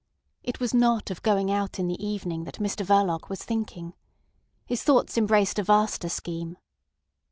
It was not of going out in the evening that Mr Verloc was thinking. His thoughts embraced a vaster scheme.